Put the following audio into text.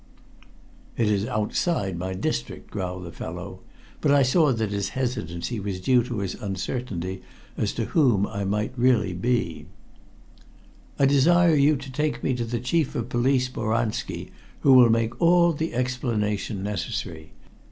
"It is outside my district," growled the fellow, but I saw that his hesitancy was due to his uncertainty as to whom I really might be. "I desire you to take me to the Chief of Police Boranski, who will make all the explanation necessary.